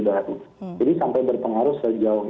jadi sampai berpengaruh sejauh